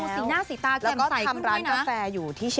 ส่งมาให้โอโนเฟอร์เรเวอร์